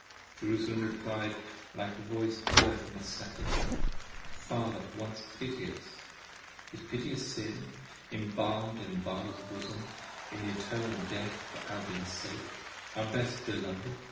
Jerusalem reply'd, like a voice heard from a sepulcher: Father! once piteous! Is Pity a Sin? Embalm'd in Vala's bosom . 10 In an Eternal Death for Albion's sake, our best beloved.